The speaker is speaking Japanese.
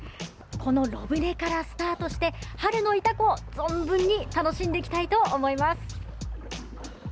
この、ろ舟からスタートして春の潮来を存分に楽しんできたいと思います。